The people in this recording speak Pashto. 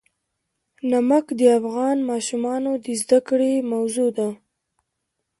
نمک د افغان ماشومانو د زده کړې موضوع ده.